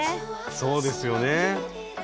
そうですよね。